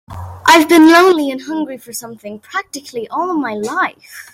I've been lonely and hungry for something practically all my life.